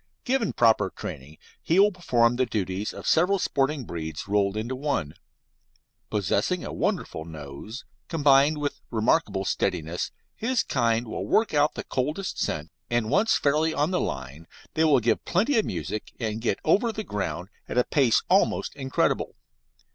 Given proper training, he will perform the duties of several sporting breeds rolled into one. Possessing a wonderful nose, combined with remarkable steadiness, his kind will work out the coldest scent, and once fairly on the line they will give plenty of music and get over the ground at a pace almost incredible.